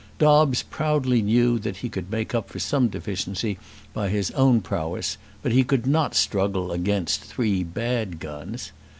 Dobbes proudly knew that he could make up for some deficiency by his own prowess; but he could not struggle against three bad guns.